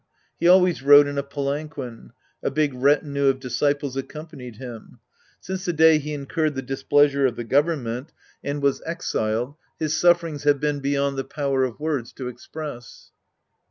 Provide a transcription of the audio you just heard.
He always rode in a palanquin. A big retinue of disciples accompanied him. Since the day he incurred the displeasure of the government and was 34 The Priest and His Disciples Act I exiled, his sufferings have been beyond the power of words to express.